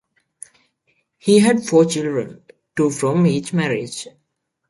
He had four children, two from each marriage.